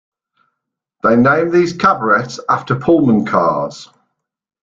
They name these cabarets after Pullman cars.